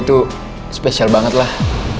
itu spesial banget lah